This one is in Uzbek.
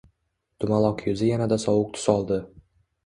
Dumaloq yuzi yanada sovuq tus oldi